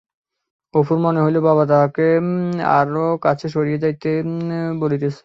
অপুর মনে হইল বাবা তাহাকে আরও কাছে সরিয়া যাইতে বলিতেছে।